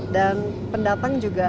dan pendatang juga